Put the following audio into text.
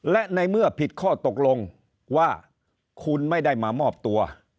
และในเมื่อผิดข้อตกลงว่าคุณไม่ได้มามอบตัว